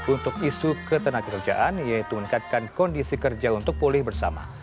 untuk isu ketenagakerjaan yaitu meningkatkan kondisi kerja untuk pulih bersama